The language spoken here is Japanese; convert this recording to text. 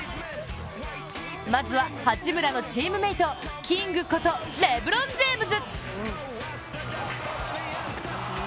まずは八村のチームメートキングことレブロン・ジェームズ。